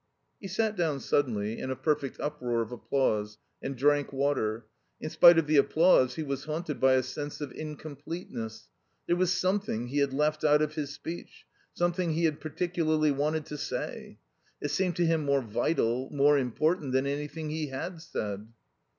He sat down suddenly in a perfect uproar of applause, and drank water. In spite of the applause he was haunted by a sense of incompleteness. There was something he had left out of his speech, something he had particularly wanted to say. It seemed to him more vital, more important, than anything he had said.